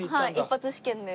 一発試験で。